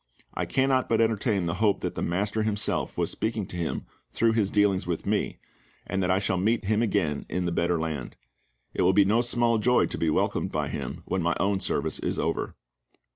I cannot but entertain the hope that the MASTER Himself was speaking to him through His dealings with me, and that I shall meet him again in the Better Land. It would be no small joy to be welcomed by him, when my own service is over.